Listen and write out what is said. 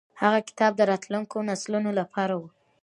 هغه کتاب د راتلونکو نسلونو لپاره و.